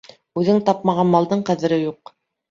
Үҙең тапмаған малдың ҡәҙере юҡ.